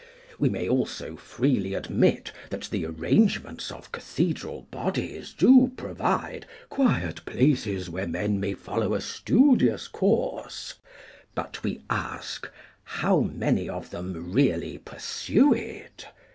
We may also freely admit that the arrangements of Cathedral bodies do provide quiet places where men may follow a studious course; but we ask, how many of them really pursue it?